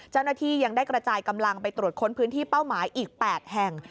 เจ้าหน้าที่ยังได้กระจายกำลังไปตรวจค้นพื้นที่เป้าหมายอีก๘แห่ง